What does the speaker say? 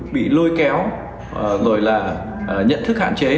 bị lôi kéo rồi là nhận thức hạn chế